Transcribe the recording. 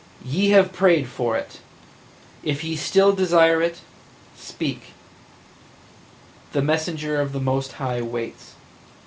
(After a pause.) "Ye have prayed it; if ye still desire it, speak! The messenger of the Most High waits!"